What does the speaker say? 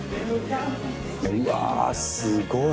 うわすごい！